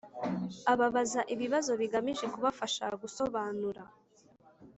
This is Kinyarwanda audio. Ababaza ibibazo bigamije kubafasha gusobanura